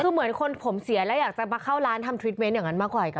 คือเหมือนคนผมเสียแล้วอยากจะมาเข้าร้านทำทริปเมนต์อย่างนั้นมากกว่ากัน